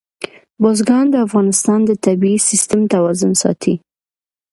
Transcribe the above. بزګان د افغانستان د طبعي سیسټم توازن ساتي.